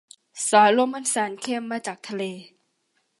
สายลมอันแสนเค็มมาจากทะเล